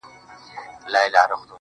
زه او زما ورته ياران.